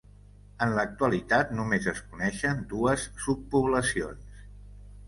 En l'actualitat només es coneixen dues subpoblacions.